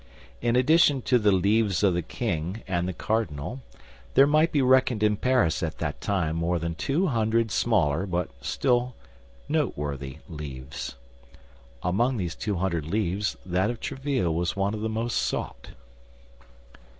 In addition to the levees of the king and the cardinal, there might be reckoned in Paris at that time more than two hundred smaller but still noteworthy levees. Among these two hundred levees, that of Tréville was one of the most sought.